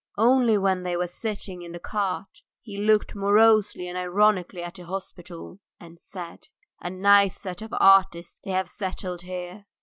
Only when they were sitting in the cart he looked morosely and ironically at the hospital, and said: "A nice set of artists they have settled here!